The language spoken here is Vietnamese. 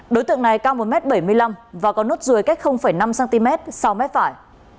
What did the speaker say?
đối tượng này cao một m bảy mươi năm và có nốt ruồi cách năm cm sáu m phải